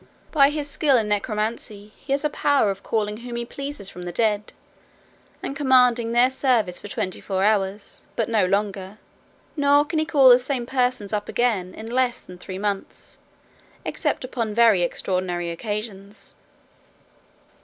By his skill in necromancy he has a power of calling whom he pleases from the dead, and commanding their service for twenty four hours, but no longer; nor can he call the same persons up again in less than three months, except upon very extraordinary occasions.